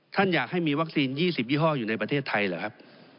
อยากให้มีวัคซีน๒๐ยี่ห้ออยู่ในประเทศไทยเหรอครับ